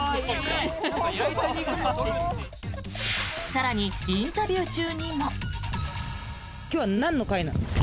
更にインタビュー中にも。